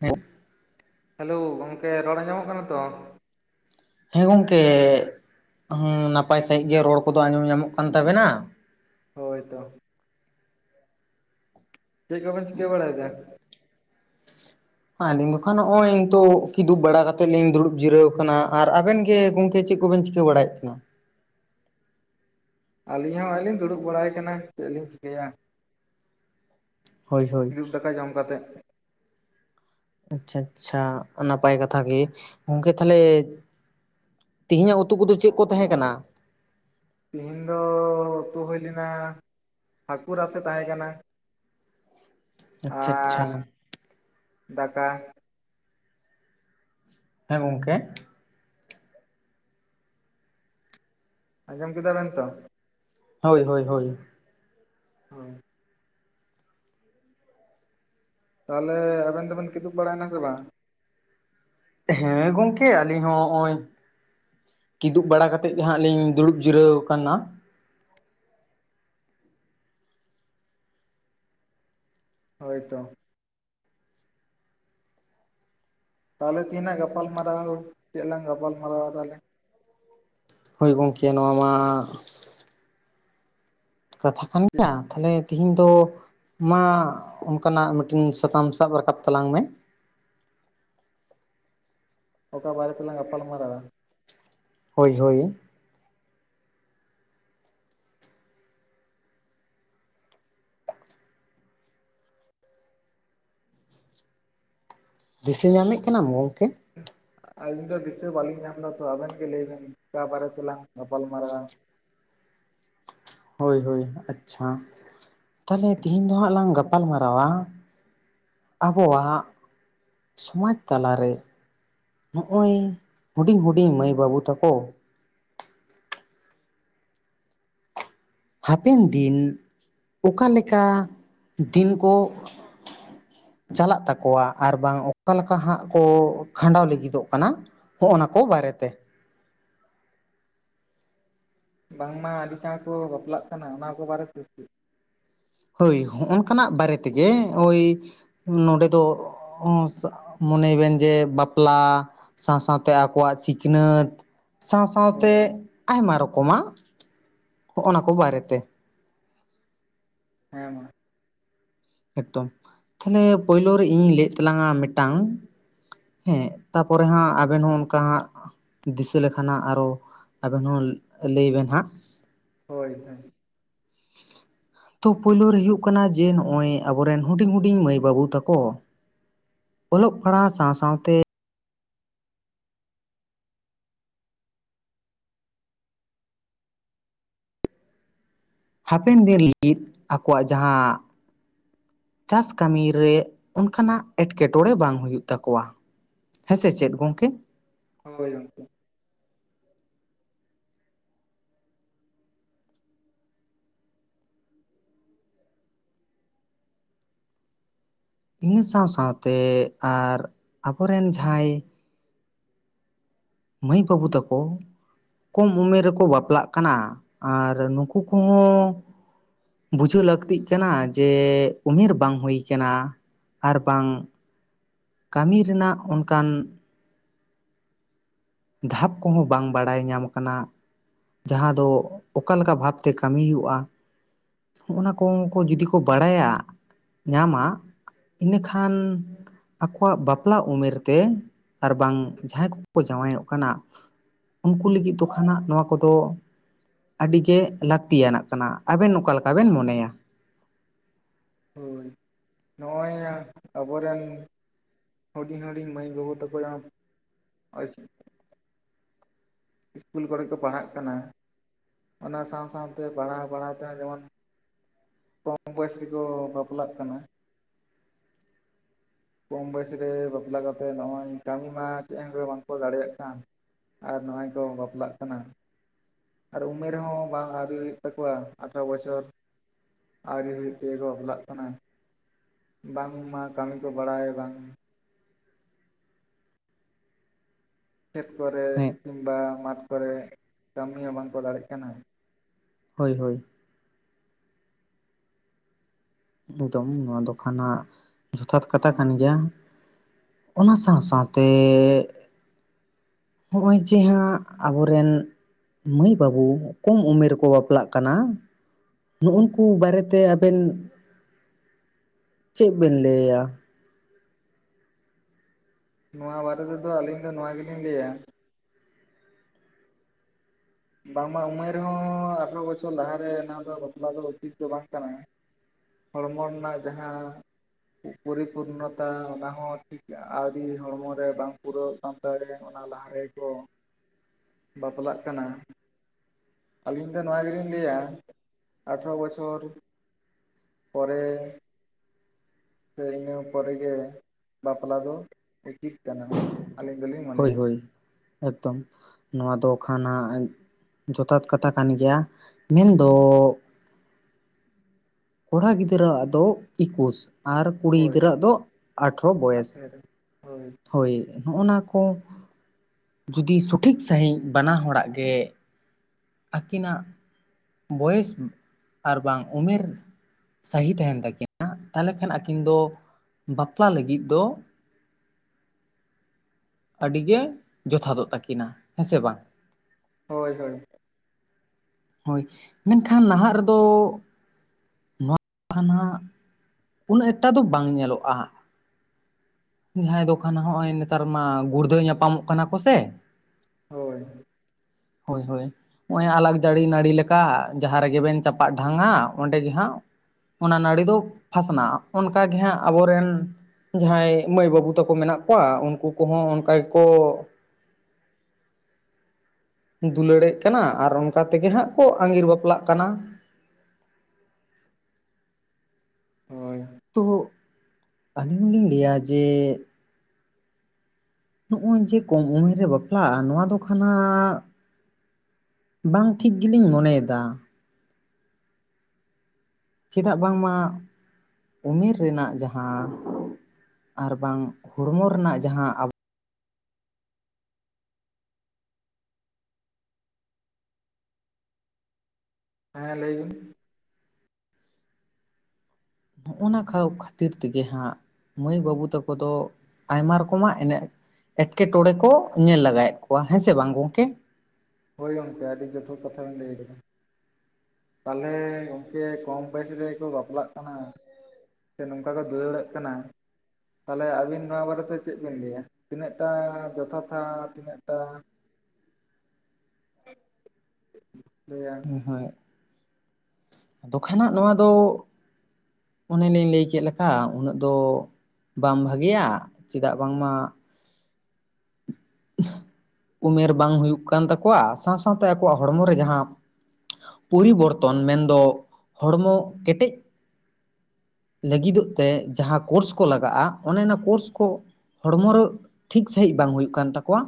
ᱦᱮᱸ᱾ ᱦᱮᱞᱳ ᱜᱚᱝᱠᱮ ᱨᱚᱲ ᱟᱱᱡᱚᱢᱚᱜ ᱠᱟᱱᱟ ᱛᱚ? ᱦᱮᱸ ᱜᱚᱝᱠᱮ ᱱᱟᱯᱟᱭ ᱥᱟᱺᱦᱤᱡ ᱜᱮ ᱨᱚᱲ ᱠᱚᱫᱚ ᱟᱸᱡᱚᱢ ᱧᱟᱢᱚᱜ ᱠᱟᱱ ᱛᱟᱵᱮᱱᱟ᱾ ᱦᱳᱭ ᱛᱚ᱾ ᱪᱮᱫ ᱠᱚᱵᱤᱱ ᱪᱤᱠᱟᱹ ᱵᱟᱲᱟᱭᱮᱫᱟ? ᱟᱹᱞᱤᱧ ᱫᱚᱠᱷᱟᱱ ᱱᱚᱜᱚᱭ ᱱᱤᱛᱚᱜ ᱠᱤᱫᱩᱵ ᱵᱟᱲᱟ ᱠᱟᱛᱮᱫ ᱞᱤᱧ ᱫᱩᱲᱩᱵ ᱡᱤᱨᱟᱹᱣ ᱟᱠᱟᱱᱟ ᱟᱨ ᱟᱵᱮᱱ ᱜᱮ ᱜᱚᱝᱠᱮᱼᱼ ᱪᱮᱫ ᱠᱚᱵᱮᱱ ᱪᱤᱠᱟᱹ ᱵᱟᱲᱟᱭᱮᱫ ᱠᱟᱱᱟ᱾ ᱟᱹᱞᱤᱧ ᱦᱚᱸ ᱦᱚᱜ-ᱚᱭ ᱞᱤᱧ ᱫᱩᱲᱩᱵ ᱵᱟᱲᱟᱭ ᱠᱟᱱᱟ ᱪᱮᱫ ᱞᱤᱧ ᱪᱤᱠᱟᱹᱭᱟ᱾ ᱦᱳᱭ ᱦᱳᱭ ᱠᱤᱫᱩᱵ ᱫᱟᱠᱟ ᱡᱚᱢ ᱠᱟᱛᱮᱫ᱾ ᱟᱪᱪᱷᱟ ᱟᱪᱪᱷᱟ ᱱᱟᱯᱟᱭ ᱠᱟᱛᱷᱟ ᱜᱮ ᱜᱚᱝᱠᱮ ᱛᱟᱦᱞᱮ ᱼᱼ ᱛᱮᱦᱮᱧᱟᱜ ᱩᱛᱩ ᱠᱚᱫᱚ ᱪᱮᱫ ᱠᱚ ᱛᱟᱦᱮᱸ ᱠᱟᱱᱟ? ᱛᱤᱦᱤᱧ ᱫᱚ ᱩᱛᱩ ᱦᱩᱭ ᱞᱮᱱᱟ ᱦᱟᱹᱠᱩ ᱨᱟᱥᱮ ᱛᱟᱦᱮᱸ ᱠᱟᱱᱟ᱾ ᱟᱪᱪᱷᱟ ᱟᱪᱪᱷᱟ ᱟᱨ ᱫᱟᱠᱟᱼᱼ ᱦᱮᱸ ᱜᱚᱢᱠᱮᱼᱼ ᱟᱡᱚᱢ ᱠᱮᱫᱟ ᱵᱮᱱ ᱛᱚ᱾ ᱦᱳᱭ ᱦᱳᱭ ᱦᱳᱭ᱾ ᱦᱮᱸ᱾ ᱛᱟᱦᱚᱞᱮ ᱟᱵᱮᱱ ᱫᱚᱵᱮᱱ ᱠᱤᱫᱩᱵ ᱵᱟᱲᱟᱭᱮᱱᱟ ᱥᱮ ᱵᱟᱝ? ᱦᱮᱸ ᱜᱚᱝᱠᱮ ᱟᱹᱞᱤᱧ ᱦᱚᱸ ᱱᱚᱜᱼᱚᱭᱼᱼ ᱠᱤᱫᱩᱵ ᱵᱟᱲᱟ ᱠᱟᱛᱮᱫ ᱜᱮ ᱦᱟᱸᱜ ᱞᱤᱧ ᱫᱩᱲᱩᱵ ᱡᱤᱨᱟᱹᱣ ᱟᱠᱟᱱᱟ᱾ ᱦᱳᱭ ᱛᱚ᱾ ᱛᱟᱦᱚᱞᱮ ᱛᱮᱦᱮᱱᱟᱜ ᱜᱟᱯᱟᱞᱢᱟᱨᱟᱣ ᱪᱮᱫ ᱞᱟᱝ ᱜᱟᱯᱟᱞ ᱢᱟᱨᱟᱨᱟᱣᱟ ᱛᱟᱦᱚᱞᱮ᱾ ᱦᱳᱭ ᱜᱚᱢᱠᱮ ᱱᱚᱣᱟ ᱢᱟᱼᱼ ᱠᱟᱛᱷᱟ ᱠᱟᱱ ᱪᱮᱫ ᱜᱮᱭᱟ᱾ ᱛᱟᱦᱚᱞᱮ ᱛᱤᱦᱤᱧ ᱫᱚ ᱢᱟ ᱚᱱᱠᱟᱱᱟᱜ ᱢᱤᱫᱴᱤᱱ ᱥᱟᱛᱟᱢ ᱥᱟᱵ ᱨᱟᱠᱟᱵ ᱛᱟᱞᱟᱝ ᱢᱮ᱾ ᱚᱠᱟ ᱵᱟᱨᱮ ᱛᱮᱞᱟᱝ ᱜᱟᱯᱟᱞᱢᱟᱨᱟᱣᱟ᱾ ᱦᱳᱭ ᱦᱳᱭ᱾ ᱫᱤᱥᱟᱹ ᱧᱟᱢᱮᱫ ᱠᱟᱱᱟᱢ ᱜᱚᱢᱠᱮ᱾ ᱟᱹᱞᱤᱧ ᱫᱚ ᱫᱤᱥᱟᱹ ᱵᱟᱹᱞᱤᱧ ᱧᱟᱢ ᱞᱮᱫᱟ ᱛᱚ ᱟᱵᱮᱱ ᱜᱮ ᱞᱟᱹᱭ ᱵᱮᱱ ᱚᱠᱟ ᱵᱟᱨᱮ ᱛᱮᱞᱟᱝ ᱜᱟᱯᱟᱞᱢᱟᱨᱟᱣᱟ᱾ ᱦᱳᱭ ᱦᱳᱭ ᱟᱪᱪᱷᱟ ᱛᱟᱦᱚᱞᱮ ᱛᱮᱦᱮᱧ ᱫᱚ ᱦᱟᱸᱜ ᱞᱟᱝ ᱜᱟᱯᱟᱞ ᱢᱟᱨᱟᱣᱟᱼᱼ ᱟᱵᱚᱣᱟᱜ ᱥᱚᱢᱟᱡᱽ ᱛᱟᱞᱟᱨᱮᱼᱼ ᱱᱚᱜ-ᱚᱭ ᱦᱩᱰᱤᱧ ᱦᱩᱰᱤᱧ ᱢᱟᱹᱭ ᱵᱟᱹᱵᱩ ᱛᱟᱠᱚ ᱦᱟᱯᱮᱱ ᱫᱤᱱ ᱚᱠᱟ ᱞᱮᱠᱟ ᱫᱤᱱ ᱠᱚ ᱪᱟᱞᱟᱜ ᱛᱟᱠᱚᱣᱟ ᱟᱨ ᱵᱟᱝ ᱚᱠᱟ ᱞᱮᱠᱟ ᱦᱟᱸᱜ ᱠᱚ ᱠᱷᱟᱸᱰᱟᱣ ᱞᱟᱹᱜᱤᱫᱚᱜ ᱠᱟᱱᱟ᱾ ᱦᱚᱸᱜᱼᱱᱟ ᱠᱚ ᱵᱟᱨᱮᱛᱮ᱾ ᱵᱟᱝᱢᱟ ᱟᱹᱰᱤ ᱪᱟᱸᱬ ᱠᱚ ᱵᱟᱯᱞᱟᱜ ᱠᱟᱱᱟ ᱚᱱᱟ ᱠᱚ ᱵᱟᱨᱮᱛᱮ ᱦᱳᱭ ᱦᱚᱸᱜᱼᱚᱱᱠᱟᱱᱟᱜ ᱵᱟᱨᱮ ᱛᱮᱜᱮ ᱳᱭ ᱱᱚᱰᱮ ᱫᱚ ᱢᱚᱱᱮᱭ ᱵᱮᱱ ᱡᱮ ᱵᱟᱯᱞᱟ ᱥᱟᱸᱣ ᱥᱟᱸᱣ ᱛᱮ ᱟᱠᱚᱣᱟᱜ ᱥᱤᱠᱷᱱᱟᱹᱛ ᱥᱟᱸᱣ ᱥᱟᱸᱣ ᱛᱮ ᱦᱳᱭ ᱟᱭᱢᱟ ᱨᱚᱠᱚᱢᱟᱜ ᱦᱚᱸᱜᱚ-ᱱᱟ ᱠᱚ ᱵᱟᱨᱮᱛᱮ᱾ ᱦᱮᱸ ᱢᱟ, ᱮᱠᱫᱚᱢ ᱛᱟᱦᱞᱮ ᱯᱳᱭᱞᱳ ᱨᱮ ᱤᱧᱤᱧ ᱞᱟᱹᱭᱮᱫ ᱛᱟᱞᱟᱝᱟ ᱢᱤᱫᱴᱟᱝ ᱦᱮᱸ ᱛᱟᱯᱚᱨᱮ ᱦᱟᱸᱜ ᱟᱵᱮᱱ ᱦᱚᱸ ᱚᱱᱠᱟ ᱦᱟᱸᱜ ᱫᱤᱥᱟᱹ ᱞᱮᱠᱷᱟᱱ ᱦᱟᱸᱜ ᱟᱨᱚ ᱟᱵᱮᱱ ᱦᱚᱸ ᱞᱟᱹᱭ ᱵᱮᱱ ᱦᱟᱸᱜ᱾ ᱦᱳᱭ, ᱦᱮᱸ᱾ ᱛᱚ ᱯᱳᱭᱞᱳ ᱨᱮ ᱦᱩᱭᱩᱜ ᱠᱟᱱᱟ ᱡᱮ, ᱱᱚᱜ-ᱚᱭ ᱟᱵᱚᱨᱮᱱ ᱦᱩᱰᱤᱧ ᱦᱩᱰᱤᱧ ᱢᱟᱹᱭ ᱵᱟᱹᱵᱩ ᱛᱟᱠᱚ ᱚᱞᱚᱜ ᱯᱟᱲᱦᱟᱣ ᱥᱟᱶ ᱥᱟᱶ ᱛᱮ ᱦᱟᱯᱮᱱ ᱫᱤᱱ ᱞᱟᱹᱜᱤᱫ ᱟᱠᱚᱣᱟᱜ ᱡᱟᱦᱟᱸ ᱪᱟᱥ ᱠᱟᱹᱢᱤ ᱨᱮ ᱚᱱᱠᱟᱱᱟᱜ ᱮᱸᱴᱠᱮ ᱴᱚᱬᱮ ᱵᱟᱝ ᱦᱩᱭᱩᱜ ᱛᱟᱠᱚᱣᱟ᱾ ᱦᱮᱸᱥᱮ ᱪᱮᱫ ᱜᱚᱝᱠᱮ? ᱦᱳᱭ ᱜᱚᱝᱠᱮ᱾ ᱤᱱᱟᱹ ᱥᱟᱣ ᱥᱟᱣ ᱛᱮ ᱟᱨ ᱟᱵᱚᱨᱮᱱ ᱡᱟᱦᱟᱸᱭ ᱢᱟᱹᱭ ᱵᱟᱹᱵᱩ ᱛᱟᱠᱚ ᱠᱚᱢ ᱩᱢᱮᱨ ᱨᱮᱠᱚ ᱵᱟᱯᱞᱟᱜ ᱠᱟᱱᱟ᱾ ᱟᱨ ᱱᱩᱠᱩ ᱠᱚᱦᱚᱸ ᱵᱩᱡᱷᱟᱹᱣ ᱞᱟᱹᱠᱛᱤᱜ ᱠᱟᱱᱟ ᱡᱮ ᱩᱢᱮᱨ ᱵᱟᱝ ᱦᱩᱭ ᱠᱟᱱᱟ ᱟᱨ ᱵᱟᱝ ᱠᱟᱹᱢᱤ ᱨᱮᱱᱟᱜ ᱚᱱᱠᱟᱱ ᱫᱷᱟᱯ ᱠᱚᱦᱚᱸ ᱵᱟᱝ ᱵᱟᱲᱟᱭ ᱧᱟᱢ ᱠᱟᱱᱟ᱾ ᱡᱟᱦᱟᱸ ᱫᱚ ᱚᱠᱟ ᱞᱮᱠᱟ ᱵᱷᱟᱵᱽ ᱛᱮ ᱠᱟᱹᱢᱤ ᱦᱩᱭᱩᱜᱼᱟ᱾ ᱦᱚᱸᱜ ᱚᱱᱟ ᱠᱚ ᱡᱩᱫᱤ ᱠᱚ ᱵᱟᱲᱟᱭᱟ ᱧᱟᱢᱟ ᱤᱱᱟᱹ ᱠᱷᱟᱱ ᱟᱠᱚᱣᱟᱜ ᱵᱟᱯᱞᱟ ᱩᱢᱮᱨ ᱛᱮ, ᱟᱨ ᱵᱟᱝ ᱡᱟᱦᱟᱸᱭ ᱠᱚ ᱠᱚ ᱡᱟᱸᱣᱟᱭᱚᱜ ᱠᱟᱱᱟᱜ ᱩᱱᱠᱩ ᱞᱟᱹᱜᱤᱫ ᱫᱚ ᱠᱷᱟᱱᱟᱜ ᱦᱟᱸᱜ ᱱᱚᱣᱟ ᱠᱚᱫᱚ ᱟᱹᱰᱤ ᱜᱮ ᱞᱟᱹᱠᱛᱤᱭᱟᱱᱟᱜ ᱠᱟᱱᱟ, ᱟᱵᱮᱱ ᱚᱠᱟ ᱞᱮᱠᱟ ᱵᱮᱱ ᱢᱚᱱᱮᱭᱟ᱾ ᱦᱳᱭ ᱱᱚᱜᱼᱚᱭ ᱟᱵᱚᱨᱮᱱ ᱦᱩᱰᱤᱧ ᱦᱩᱰᱤᱧ ᱢᱟᱹᱭ ᱵᱟᱹᱵᱩ ᱛᱟᱠᱚ [unintelligible] ᱤᱥᱠᱩᱞ ᱠᱚᱨᱮ ᱠᱚ ᱯᱟᱲᱦᱟᱜ ᱠᱟᱱᱟ, ᱚᱱᱟ ᱥᱟᱣ ᱥᱟᱣ ᱛᱮ ᱯᱟᱲᱦᱟᱣ ᱵᱟᱲᱦᱟᱣ ᱛᱮᱦᱚᱸ ᱡᱮᱢᱚᱱ ᱠᱚᱢ ᱵᱚᱭᱮᱥ ᱨᱮᱠᱚ ᱵᱟᱯᱞᱟᱜ ᱠᱟᱱᱟ᱾ ᱠᱚᱢ ᱵᱚᱭᱮᱥ ᱨᱮ ᱵᱟᱯᱞᱟ ᱠᱟᱛᱮᱜ ᱱᱚᱜᱚᱭ ᱠᱟᱹᱢᱤ ᱢᱟ ᱪᱮᱫ ᱮᱢ ᱨᱮ ᱵᱟᱝᱠᱚ ᱫᱟᱲᱮᱭᱟᱜ ᱠᱟᱱ᱾ ᱟᱨ ᱱᱚᱜᱼᱚᱭ ᱠᱚ ᱵᱟᱯᱞᱟᱜ ᱠᱟᱱᱟ᱾ ᱟᱨ ᱩᱢᱮᱨ ᱦᱚᱸ ᱵᱟᱝ ᱟᱹᱣᱨᱤ ᱦᱩᱭᱩᱜ ᱛᱟᱠᱚᱣᱟ, ᱟᱴᱷᱟᱨᱚ ᱵᱚᱪᱷᱚᱨ ᱟᱹᱣᱨᱤ ᱦᱩᱭᱩᱜ ᱛᱮᱜᱮ ᱠᱚ ᱵᱟᱯᱞᱟᱜ ᱠᱟᱱᱟ᱾ ᱵᱟᱝᱢᱟ ᱠᱟᱹᱢᱤ ᱠᱚ ᱵᱟᱲᱟᱭ ᱵᱟᱝ ᱠᱷᱮᱛ ᱠᱚᱨᱮᱜ ᱦᱮᱸ ᱠᱤᱢᱵᱟ ᱢᱟᱴᱷ ᱠᱚᱨᱮᱜ ᱠᱟᱹᱢᱤ ᱦᱚᱸ ᱵᱟᱝ ᱠᱚ ᱫᱟᱲᱮᱜ ᱠᱟᱱᱟ᱾ ᱦᱳᱭ-ᱦᱳᱭ᱾ ᱮᱠᱫᱚᱢ ᱱᱚᱣᱟ ᱫᱚ ᱠᱷᱟᱱ ᱦᱟᱸᱜ ᱡᱚᱛᱷᱟᱛ ᱠᱟᱛᱷᱟ ᱠᱟᱱ ᱜᱮᱭᱟ᱾ ᱚᱱᱟ ᱥᱟᱣ ᱥᱟᱣ ᱛᱮ ᱦᱚᱸᱜᱼᱚᱭ ᱡᱮ ᱦᱟᱸᱜ ᱟᱵᱚᱨᱮᱱ ᱢᱟᱹᱭ ᱵᱟᱹᱵᱩ ᱠᱚᱢ ᱩᱢᱮᱨ ᱨᱮᱠᱚ ᱵᱟᱯᱞᱟᱜ ᱠᱟᱱᱟ᱾ ᱱᱩᱜ ᱩᱱᱠᱩ ᱵᱟᱨᱮᱛᱮ ᱟᱵᱮᱱ ᱪᱮᱫ ᱵᱮᱱ ᱞᱟᱹᱭᱟ? ᱱᱚᱣᱟ ᱵᱟᱨᱮ ᱛᱮᱫᱚ ᱟᱹᱞᱤᱧ ᱫᱚ ᱱᱚᱣᱟ ᱜᱮᱞᱤᱧ ᱞᱟᱹᱭᱟ ᱵᱟᱝᱢᱟ ᱩᱢᱮᱨᱮ ᱦᱚᱸ ᱟᱴᱷᱟᱨᱚ ᱵᱚᱪᱷᱚᱨ ᱞᱟᱦᱟᱨᱮ ᱚᱱᱟ ᱫᱚ ᱵᱟᱯᱞᱟ ᱫᱚ ᱩᱪᱤᱛ ᱫᱚ ᱵᱟᱝ ᱠᱟᱱᱟ ᱾ ᱦᱚᱲᱢᱚ ᱨᱮᱱᱟᱜ ᱡᱟᱦᱟᱸ ᱯᱚᱨᱤᱯᱩᱨᱱᱚᱛᱟ ᱚᱱᱟ ᱦᱚᱸ ᱴᱷᱤᱠ ᱟᱣᱨᱤ ᱦᱚᱲᱢᱚ ᱨᱮ ᱵᱟᱝ ᱯᱩᱨᱟᱹᱣ ᱠᱟᱱ ᱛᱟᱹ ᱨᱮ ᱚᱱᱟ ᱞᱟᱦᱟ ᱨᱮᱠᱚ ᱵᱟᱯᱞᱟᱜ ᱠᱟᱱᱟ᱾ ᱟᱹᱞᱤᱧ ᱫᱚ ᱱᱚᱣᱟ ᱜᱮᱞᱤᱧ ᱞᱟᱹᱭᱟ ᱟᱴᱷᱟᱨᱚ ᱵᱚᱪᱷᱚᱨ ᱯᱚᱨᱮ ᱥᱮ ᱤᱱᱟᱹ ᱯᱚᱨᱮᱜᱮ ᱵᱟᱯᱞᱟ ᱫᱚ ᱩᱪᱤᱛ ᱠᱟᱱᱟ᱾ ᱟᱞᱤᱧ ᱫᱚᱞᱤᱧ ᱦᱳᱭ ᱢᱚᱱᱮᱭᱟ ᱦᱳᱭ ᱮᱠᱫᱚᱢ ᱱᱚᱣᱟ ᱫᱚ ᱠᱷᱟᱱᱟᱜ ᱮᱸᱡ ᱡᱚᱛᱷᱟᱛ ᱠᱟᱛᱷᱟ ᱠᱟᱱ ᱜᱮᱭᱟ ᱢᱮᱱᱫᱚ ᱠᱚᱲᱟ ᱜᱤᱫᱽᱨᱟᱹᱣᱟᱜ ᱫᱚ ᱤᱠᱩᱥ᱾ ᱟᱨ ᱠᱩᱲᱤ ᱦᱳᱭ ᱜᱤᱫᱽᱨᱟᱹᱟᱜ ᱫᱚ ᱟᱴᱷᱨᱚ ᱵᱚᱭᱮᱥ᱾ ᱦᱳᱭ ᱱᱚᱜᱼ ᱱᱟ ᱠᱚ᱾ ᱡᱩᱫᱤ ᱥᱚᱴᱷᱤᱠ ᱥᱟᱹᱦᱤᱸᱡ ᱵᱟᱱᱟ ᱦᱚᱲᱟ ᱜᱮ ᱟᱹᱠᱤᱱᱟᱜ ᱵᱚᱭᱮᱥ ᱟᱨ ᱵᱟᱝ ᱩᱢᱮᱨ ᱥᱟᱹᱦᱤ ᱛᱟᱦᱮᱱ ᱛᱟᱹᱠᱤᱱᱟ ᱛᱟᱦᱞᱮ ᱠᱷᱟᱱ ᱟᱹᱠᱤᱱ ᱫᱚ ᱵᱟᱯᱞᱟ ᱞᱟᱹᱜᱤᱫ ᱫᱚ [unintelligible] ᱟᱹᱰᱤ ᱜᱮ ᱡᱚᱛᱷᱟᱛ ᱫᱚᱜ ᱛᱟᱹᱠᱤᱱᱟ ᱦᱮᱸ ᱥᱮ ᱵᱟᱝ? ᱦᱳᱭ ᱦᱳᱭ᱾ ᱦᱳᱭ ᱢᱮᱱᱠᱷᱟᱱ ᱱᱟᱦᱟᱜ ᱨᱮᱫᱚ ᱦᱟᱱ ᱦᱟᱸᱜ ᱩᱱᱟᱹᱜ ᱮᱠᱴᱟ ᱫᱚ ᱵᱟᱝ ᱧᱮᱞᱚᱜᱼᱟ ᱦᱟᱸᱜ᱾ ᱡᱟᱦᱟᱸᱭ ᱫᱚᱠᱟᱱ ᱱᱚᱜ-ᱚᱭ ᱱᱮᱛᱟᱨ ᱢᱟ ᱜᱩᱲᱫᱟᱹᱣ ᱧᱟᱯᱟᱢᱚᱜ ᱠᱟᱱᱟ ᱠᱚᱥᱮ᱾ ᱦᱳᱭ᱾ ᱦᱳᱭ ᱦᱳᱭ᱾ ᱚᱸᱜᱼᱚᱭ ᱦᱟᱸᱜ ᱟᱞᱟᱜᱡᱟᱹᱲᱤ ᱱᱟᱹᱲᱤ ᱞᱮᱠᱟ ᱡᱟᱦᱟᱸ ᱨᱮᱜᱮ ᱵᱮᱱ ᱪᱟᱯᱟᱜ ᱰᱷᱟᱝ-ᱟᱸ ᱚᱸᱰᱮ ᱜᱮ ᱦᱟᱸᱜ᱾ ᱚᱱᱟ ᱱᱟᱹᱲᱤ ᱫᱚ ᱯᱷᱟᱥᱱᱟᱜ-ᱟ ᱚᱱᱠᱟ ᱜᱮ ᱦᱟᱸᱜ ᱟᱵᱚᱨᱮᱱ ᱡᱟᱦᱟᱸᱭ ᱢᱟᱹᱭ ᱵᱟᱹᱵᱩ ᱛᱟᱹᱠᱩ ᱢᱮᱱᱟᱜ ᱠᱚᱣᱟ ᱩᱱᱠᱩ ᱠᱚᱦᱚᱸ ᱚᱱᱠᱟ ᱜᱮᱠᱚ ᱫᱩᱞᱟᱹᱲᱮᱜ ᱠᱟᱱᱟ ᱟᱨ ᱚᱱᱠᱟ ᱛᱮᱜᱮ ᱦᱟᱸᱜ ᱠᱚ ᱟᱸᱜᱤᱨ ᱵᱟᱯᱞᱟᱜ ᱠᱟᱱᱟ᱾ ᱦᱳᱭ᱾ ᱛᱚ ᱟᱹᱞᱤᱧ ᱞᱤᱧ ᱞᱟᱹᱭᱟ ᱡᱮ ᱱᱚᱜᱼᱚᱭ ᱡᱮ ᱠᱚᱢ ᱩᱢᱮᱨᱮ ᱨᱮᱵᱟᱯᱞᱟᱜᱼᱟ ᱱᱚᱣᱟ ᱫᱚ ᱠᱟᱱᱟᱜᱻ ᱵᱟᱝ ᱴᱷᱤᱠ ᱜᱤᱞᱤᱧ ᱢᱚᱱᱮᱭᱮᱫᱟ᱾ ᱪᱮᱫᱟᱜ ᱵᱟᱝᱢᱟ? ᱩᱢᱮᱨ ᱨᱮᱱᱟᱜ ᱡᱟᱦᱟᱸ ᱟᱨᱵᱟᱝ ᱦᱚᱲᱢᱚ ᱨᱮᱱᱟᱜ ᱡᱟᱦᱟᱸ ᱟᱵᱚ ᱦᱮᱸ ᱞᱟᱹᱭ ᱵᱤᱱ᱾ ᱱᱚᱜᱼᱚ ᱱᱟ ᱠᱷᱟᱹᱣ ᱠᱷᱟᱹᱛᱤᱨ ᱛᱮᱜᱮ ᱦᱟᱸᱜ᱾ ᱢᱟᱹᱭ ᱵᱟᱹᱵᱩ ᱛᱟᱹᱠᱚ ᱫᱚ ᱟᱭᱢᱟ ᱨᱚᱠᱚᱢᱟᱜ ᱮᱱᱮᱡ ᱮᱴᱠᱮᱴᱚᱬᱮ ᱠᱚ ᱧᱮᱞ ᱞᱟᱜᱟᱭᱮᱫ ᱠᱚᱣᱟ ᱦᱮᱸ ᱥᱮ ᱵᱟᱝ ᱜᱚᱝᱠᱮ᱾ ᱦᱳᱭ ᱜᱚᱝᱠᱮ ᱟᱹᱰᱤ ᱡᱚᱛᱷᱟᱛ ᱠᱟᱛᱷᱟ ᱵᱮᱱ ᱞᱟᱹᱭ ᱠᱟᱫᱟ᱾ ᱯᱟᱞᱮ ᱜᱚᱝᱠᱮ ᱠᱚᱢ ᱵᱚᱭᱮᱥ ᱨᱮᱜᱮ ᱠᱚ ᱵᱟᱯᱞᱟᱜ ᱠᱟᱱᱟ᱾ ᱥᱮ ᱱᱚᱝᱠᱟ ᱠᱚ ᱫᱟᱹᱲᱮᱜ ᱠᱟᱱᱟ᱾ ᱛᱟᱦᱚᱞᱮ ᱟᱵᱤᱱ ᱱᱚᱣᱟ ᱵᱟᱨᱮᱛᱮ ᱪᱮᱜ ᱵᱤᱱ ᱞᱟᱹᱭᱟ ᱛᱤᱱᱟᱹᱜ ᱴᱟ ᱡᱚᱛᱷᱟᱛᱷᱟ ᱛᱤᱱᱟᱹᱜ ᱴᱟ ᱞᱟᱹᱭᱟ ᱦᱮᱸ ᱦᱳᱸᱭ ᱟᱫᱚ ᱫᱚᱠᱷᱟᱱᱟᱜ ᱱᱚᱣᱟ ᱫᱳ ᱚᱱᱮᱞᱤᱧ ᱞᱟᱹᱭ ᱠᱮᱫ ᱞᱮᱠᱟ ᱩᱱᱟᱹᱜ ᱫᱚ ᱵᱟᱝ ᱵᱷᱟᱹᱜᱮᱭᱟ ᱪᱮᱫᱟᱜ ᱵᱟᱝᱢᱟ ᱩᱢᱮᱨ ᱵᱟᱝ ᱦᱩᱭᱩᱜ ᱠᱟᱱ ᱛᱟᱠᱚᱣᱟ ᱥᱟᱶ ᱥᱟᱶᱛᱮ ᱟᱠᱚᱣᱟᱜ ᱦᱚᱲᱢᱚ ᱨᱮ ᱡᱟᱦᱟᱸ ᱯᱚᱨᱤᱵᱚᱨᱛᱚᱱ ᱢᱮᱱᱫᱚ ᱦᱚᱲᱢᱚ ᱠᱮᱴᱮᱡ ᱞᱟᱹᱜᱤᱫᱚᱜ ᱛᱮ ᱡᱟᱦᱟᱸ ᱠᱳᱨᱥ ᱠᱚ ᱞᱟᱜᱟᱜ-ᱟ ᱚᱱᱮ ᱚᱱᱟ ᱠᱳᱨᱥ ᱠᱚ ᱦᱚᱲᱢᱚ ᱨᱚ ᱴᱷᱤᱠ ᱥᱟᱺᱦᱤᱡ ᱵᱟᱝ ᱦᱩᱭᱩᱜ ᱠᱟᱱ ᱛᱟᱠᱚ᱾ ᱠᱚᱣᱟ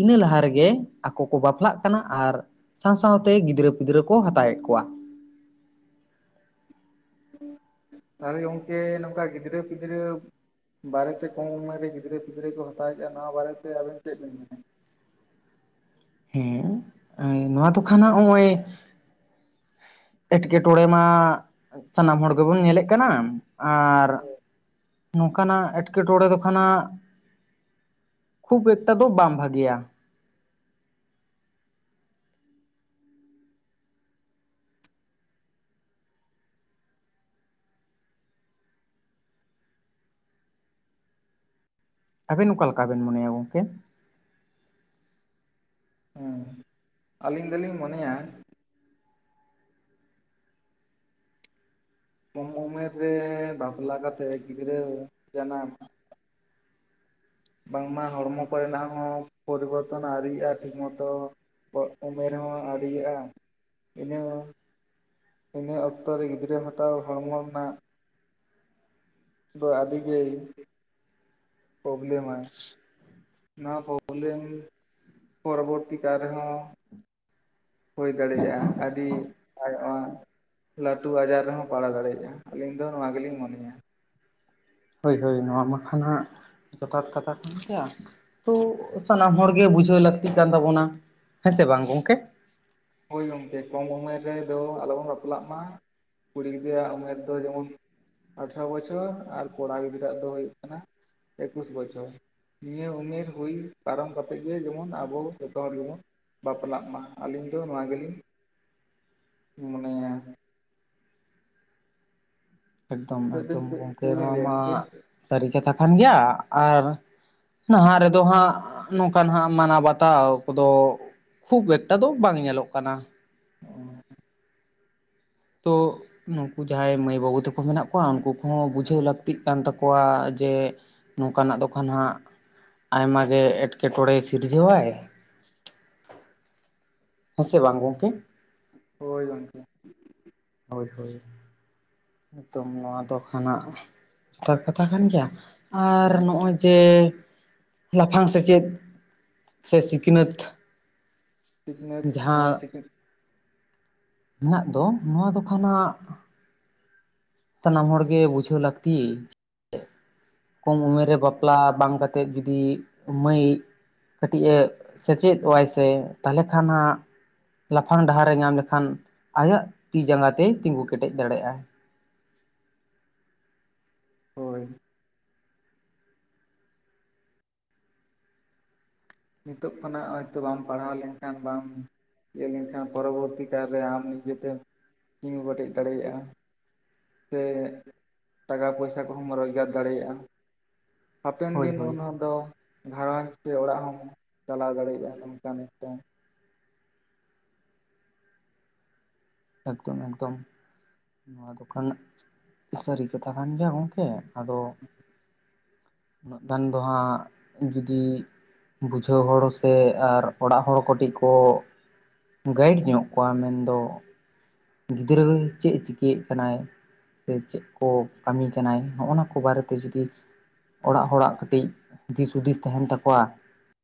ᱤᱱᱟᱹ ᱞᱟᱦᱟ ᱨᱮᱜᱮ ᱟᱠᱚ ᱠᱚ ᱵᱟᱯᱞᱟᱜ ᱠᱟᱱᱟ ᱟᱨ ᱥᱟᱶ ᱥᱟᱶ ᱛᱮ ᱜᱤᱫᱽᱨᱟᱹ ᱯᱤᱫᱽᱨᱟᱹ ᱠᱚ ᱦᱟᱛᱟᱣᱮᱫ ᱠᱚᱣᱟ᱾ ᱛᱟᱦᱚᱞᱮ ᱜᱚᱝᱠᱮ ᱱᱚᱝᱠᱟ ᱜᱤᱫᱽᱨᱟᱹᱼ ᱯᱤᱫᱽᱨᱟᱹ ᱵᱟᱨᱮᱛᱮ ᱠᱚᱢ ᱩᱢᱮᱨ ᱨᱮ ᱜᱤᱫᱽᱨᱟᱹ- ᱯᱤᱫᱽᱨᱟᱹ ᱠᱚ ᱦᱟᱛᱟᱣᱮᱫᱼᱟ, ᱱᱚᱣᱟ ᱵᱟᱨᱮ ᱛᱮ ᱟᱵᱮᱱ ᱪᱮᱫ ᱵᱮᱱ ᱢᱮᱱᱮᱜᱼᱟ? ᱦᱮᱸ ᱱᱚᱣᱟ ᱫᱚ ᱠᱷᱟᱱᱟᱜ ᱦᱚᱜᱼᱚᱭᱼᱼ ᱮᱸᱴᱠᱮ ᱴᱚᱬᱮ ᱢᱟ ᱥᱟᱱᱟᱢ ᱦᱚᱸᱲ ᱜᱮᱵᱚᱱ ᱧᱮᱞᱮᱫ ᱠᱟᱱᱟ ᱟᱨᱼᱼ ᱱᱚᱝᱠᱟᱱᱟᱜ ᱮᱴᱠᱮᱴᱚᱬᱮ ᱫᱚ ᱠᱷᱚᱱᱟᱜ ᱠᱷᱩᱵ ᱮᱠᱴᱟ ᱫᱚ ᱵᱟᱝ ᱵᱷᱟᱜᱮᱭᱟ᱾ ᱟᱹᱵᱤᱱ ᱚᱠᱟ ᱞᱮᱠᱟ ᱵᱤᱱ ᱢᱚᱱᱮᱭᱟ ᱜᱚᱝᱠᱮ? ᱩᱸ ᱟᱹᱞᱤᱝ ᱫᱚᱞᱤᱝ ᱢᱚᱱᱮᱭᱟᱼᱼ ᱠᱚᱢ ᱩᱢᱮᱨ ᱨᱮ ᱵᱟᱯᱞᱟ ᱠᱟᱛᱮᱫ ᱜᱤᱫᱽᱨᱟᱹ ᱡᱟᱱᱟᱢᱼᱼ ᱵᱟᱝᱢᱟ ᱦᱚᱲᱢᱚ ᱠᱚᱨᱮᱱᱟᱜ ᱦᱚᱸ ᱯᱚᱨᱤᱵᱚᱨᱛᱚᱱ ᱟᱹᱣᱨᱤᱜᱼᱟ ᱴᱷᱤᱠ ᱢᱚᱛᱚᱼᱼ ᱯᱚ ᱩᱢᱮᱨ ᱦᱚᱸ ᱟᱹᱣᱨᱤᱜᱼᱟ ᱤᱱᱟᱹᱼᱼ ᱤᱱᱟᱹ ᱚᱠᱛᱚ ᱨᱮ ᱜᱤᱫᱽᱨᱟᱹ ᱦᱟᱛᱟᱣ ᱦᱚᱲᱢᱚ ᱨᱮᱱᱟᱜᱼᱼ ᱫᱚ ᱟᱹᱰᱤ ᱜᱮᱼᱼ ᱯᱚᱵᱞᱮᱢᱟᱭ᱾ ᱱᱚᱣᱟ ᱯᱚᱵᱞᱮᱢ ᱯᱚᱨᱚᱵᱚᱨᱛᱤ ᱠᱟᱞ ᱨᱮᱦᱚᱸᱼᱼ ᱦᱳᱭ ᱫᱟᱲᱮᱭᱟᱜᱼᱟ᱾ᱟᱹᱰᱤ ᱟᱭᱢᱟᱼᱼ ᱞᱟᱹᱴᱩ ᱟᱡᱟᱨ ᱨᱮᱦᱚᱸ ᱯᱟᱲᱟᱣ ᱫᱟᱲᱮᱭᱟᱜᱼᱟ ᱟᱹᱞᱤᱝ ᱫᱚ ᱱᱚᱣᱟ ᱜᱮᱞᱤᱧ ᱢᱚᱱᱮᱭᱟ᱾ ᱦᱳᱭ, ᱦᱳᱭ ᱱᱚᱣᱟ ᱢᱟ ᱠᱷᱟᱱᱟᱜ ᱡᱚᱛᱷᱟᱛ ᱠᱟᱛᱷᱟ ᱠᱟᱱ ᱜᱮᱭᱟ᱾ ᱛᱚ ᱥᱟᱱᱟᱢ ᱦᱚᱲ ᱜᱮ ᱵᱩᱡᱷᱟᱹᱣ ᱞᱟᱹᱠᱛᱤ ᱠᱟᱱ ᱛᱟᱵᱚᱱᱟ ᱦᱮᱸᱥᱮ ᱵᱟᱝ ᱜᱚᱝᱠᱮ᱾ ᱦᱳᱭ ᱜᱚᱝᱠᱮ ᱠᱚᱢ ᱩᱢᱮᱨ ᱨᱮᱫᱚ ᱟᱞᱚ ᱵᱚᱱ ᱵᱟᱯᱞᱟᱜ ᱢᱟ᱾ ᱠᱩᱲᱤ ᱜᱤᱫᱽᱨᱟᱹᱭᱟᱜ ᱩᱢᱮᱨ ᱫᱚ ᱡᱮᱢᱚᱱᱼᱼ ᱟᱴᱷᱨᱚ ᱵᱚᱪᱷᱚᱨ ᱟᱨ ᱠᱚᱲᱟ ᱜᱤᱫᱽᱨᱟᱹᱣᱟᱜ ᱫᱚ ᱦᱩᱭᱩᱜ ᱠᱟᱱᱟ ᱮᱠᱩᱥ ᱵᱚᱪᱷᱚᱨ᱾ ᱱᱤᱭᱟᱹ ᱩᱢᱮᱨ ᱦᱩᱭ ᱯᱟᱨᱚᱢ ᱠᱟᱛᱮᱫ ᱜᱮ ᱡᱮᱢᱚᱱ ᱟᱵᱚ ᱡᱚᱛᱚ ᱦᱚᱲ ᱜᱮᱵᱚᱱᱼᱼ ᱵᱟᱯᱞᱟᱜ ᱢᱟ ᱟᱹᱞᱤᱝ ᱫᱚ ᱱᱚᱣᱟ ᱜᱮᱞᱤᱝ ᱢᱚᱱᱮᱭᱟ᱾ ᱮᱠᱫᱚᱢ ᱪᱮᱫ ᱵᱤᱱ ᱮᱠᱫᱚᱢ ᱜᱚᱢᱠᱮ ᱪᱮᱫ ᱵᱤᱱ ᱱᱚᱣᱟ ᱞᱟᱹᱭᱟ ᱢᱟ ᱜᱚᱢᱠᱮ ᱥᱟᱨᱤ ᱠᱟᱛᱷᱟ ᱠᱟᱱ ᱜᱮᱭᱟ ᱟᱨᱼᱼ ᱱᱟᱦᱟᱸᱜ ᱨᱮᱫᱚ ᱦᱟᱸᱜ ᱱᱚᱝᱠᱟ ᱱᱟᱦᱟᱸᱜ ᱢᱟᱱᱟᱣ ᱵᱟᱛᱟᱣ ᱠᱚᱫᱚᱼᱼ ᱠᱷᱩᱵ ᱮᱠᱴᱟ ᱫᱚ ᱵᱟᱝ ᱧᱮᱞᱚᱜ ᱠᱟᱱᱟ᱾ ᱚᱸ ᱛᱚᱼᱼ ᱱᱩᱠᱩ ᱡᱟᱦᱟᱸᱭ ᱢᱟᱹᱭ ᱵᱟᱹᱵᱩ ᱛᱟᱠᱚ ᱢᱮᱱᱟᱜ ᱠᱚᱣᱟ ᱩᱱᱠᱩ ᱠᱚᱦᱚᱸ ᱵᱩᱡᱷᱟᱹᱣ ᱞᱟᱹᱠᱛᱤᱜ ᱠᱟᱱ ᱛᱟᱠᱚᱣᱟ ᱡᱮᱼᱼ ᱱᱚᱝᱠᱟᱱᱟᱜ ᱫᱚ ᱠᱷᱟᱱ ᱦᱟᱸᱜᱼᱼ ᱟᱭᱢᱟ ᱜᱮ ᱮᱸᱴᱠᱮᱴᱚᱬᱮ ᱥᱤᱨᱡᱟᱹᱣᱟᱭ᱾ ᱦᱮᱸ ᱥᱮ ᱵᱟᱝ ᱜᱚᱝᱠᱮ? ᱦᱳᱭ ᱜᱚᱝᱠᱮ᱾ ᱦᱳᱭ, ᱦᱳᱭ᱾ ᱮᱠᱫᱚᱢ ᱱᱚᱣᱟ ᱫᱚ ᱠᱷᱟᱱ ᱦᱟᱜ ᱡᱚᱛᱷᱟᱛ ᱠᱟᱛᱷᱟ ᱠᱟᱱ ᱜᱮᱭᱟ᱾ ᱟᱨ ᱦᱳᱭ ᱱᱚᱜᱼᱚᱭ ᱡᱮ ᱞᱟᱯᱷᱟᱝ ᱥᱮᱪᱮᱫ ᱥᱮ ᱥᱤᱠᱱᱟᱹᱛᱷᱼᱼ ᱥᱤᱠᱱᱟᱹᱛᱷ ᱦᱮᱸ ᱥᱤ ᱦᱮᱱᱟᱜ ᱫᱚ ᱱᱚᱣᱟ ᱫᱚ ᱠᱷᱟᱱ ᱦᱟᱜᱼᱼ ᱥᱟᱱᱟᱢ ᱦᱚᱲ ᱜᱮ ᱵᱩᱡᱷᱟᱹᱣ ᱞᱟᱹᱠᱛᱤ ᱠᱚᱢ ᱩᱢᱮᱨ ᱨᱮ ᱵᱟᱯᱞᱟ ᱵᱟᱝ ᱠᱟᱛᱮᱫ ᱡᱩᱫᱤ ᱢᱟᱹᱭ ᱠᱟᱹᱴᱤᱡ ᱮ ᱥᱮᱪᱮᱫᱚᱜ-ᱟᱭ ᱥᱮ ᱛᱟᱦᱞᱮ ᱠᱷᱟᱱ ᱦᱟᱸᱜᱼᱼ ᱞᱟᱯᱷᱟᱝ ᱰᱟᱦᱟᱨ ᱮ ᱧᱟᱢ ᱞᱮᱠᱷᱟᱱ ᱟᱭᱟᱜ ᱛᱤ ᱡᱟᱸᱜᱟ ᱛᱮ ᱛᱤᱸᱜᱩ ᱠᱮᱴᱮᱡ ᱫᱟᱲᱮᱭᱟᱜᱼᱟᱭ᱾ ᱦᱳᱭ᱾ ᱱᱤᱛᱳᱜ ᱠᱷᱚᱱᱟᱜ ᱦᱚᱸᱜ-ᱚᱭ ᱛᱚ ᱵᱟᱢ ᱯᱟᱲᱦᱟᱣ ᱞᱮᱱᱠᱷᱟᱱ ᱵᱟᱢ ᱤᱭᱟᱹ ᱞᱮᱱᱠᱷᱟᱱ ᱯᱚᱨᱚᱵᱚᱨᱛᱤ ᱠᱟᱞᱨᱮ ᱟᱢ ᱱᱤᱡᱮᱛᱮᱢ ᱛᱤᱸᱜᱩ ᱠᱮᱴᱮᱡ ᱫᱟᱲᱮᱭᱟᱜᱼᱟ᱾ ᱥᱮ ᱴᱟᱠᱟ ᱯᱚᱭᱥᱟ ᱠᱚᱦᱚᱸᱢ ᱨᱚᱡᱽᱜᱟᱨ ᱫᱟᱲᱮᱭᱟᱜᱼᱟ᱾ ᱦᱟᱯᱮᱱ ᱦᱳᱭ ᱫᱤᱱ ᱦᱳᱭ ᱩᱱ ᱦᱚ ᱫᱚ ᱜᱷᱟᱨᱚᱸᱡᱽ ᱥᱮ ᱚᱲᱟᱜ ᱦᱚᱢ ᱪᱟᱞᱟᱣ ᱫᱟᱲᱮᱭᱟᱜ-ᱟ, ᱚᱱᱠᱟ ᱱᱤᱛᱚᱝᱼᱼ ᱮᱠᱫᱚᱢ ᱮᱠᱫᱚᱢ ᱱᱚᱣᱟ ᱫᱚ ᱠᱷᱟᱱ ᱥᱟᱹᱨᱤ ᱠᱟᱛᱷᱟ ᱠᱟᱱ ᱜᱮᱭᱟ ᱜᱚᱝᱠᱮ ᱟᱫᱚ [inaudible] ᱩᱱᱟᱹᱜ ᱜᱟᱱ ᱫᱚ ᱦᱟᱸᱜ ᱡᱩᱫᱤ ᱵᱩᱡᱷᱟᱹᱣ ᱦᱚᱲ ᱦᱚ ᱥᱮ ᱟᱨ ᱚᱲᱟᱜ ᱦᱚᱲ ᱠᱟᱹᱴᱤᱡ ᱠᱚ ᱜᱟᱭᱤᱰ ᱧᱚᱜ ᱠᱚᱣᱟ ᱢᱮᱱᱫᱚ ᱜᱤᱫᱽᱨᱟᱹ ᱫᱚ ᱪᱮᱫ ᱮ ᱪᱤᱠᱟᱹᱭᱮᱫ ᱠᱟᱱᱟᱭ ᱾ ᱥᱮ ᱪᱮᱫ ᱠᱚ ᱠᱟᱹᱢᱤ ᱠᱟᱱᱟᱭ ᱱᱚᱜ-ᱚ ᱱᱟ ᱠᱚ ᱵᱟᱨᱮᱛᱮ ᱡᱩᱫᱤ ᱚᱲᱟᱜ ᱦᱚᱲᱟᱜ ᱠᱟᱹᱴᱤᱡ ᱫᱤᱥ ᱦᱩᱫᱤᱥ ᱛᱟᱦᱮᱱ ᱛᱟᱠᱚᱣᱟ